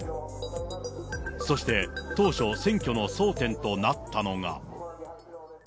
そして、当初選挙の争点となったのが。